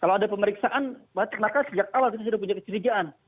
kalau ada pemeriksaan maka sejak awal kita sudah punya kecurigaan